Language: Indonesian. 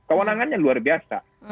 kewenangannya luar biasa